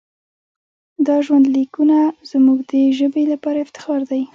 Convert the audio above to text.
دا ژوندلیکونه زموږ د ژبې لپاره افتخار دی.